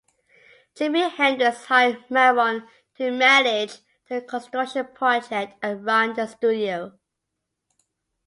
Jimi Hendrix hired Marron to manage the construction project and run the studio.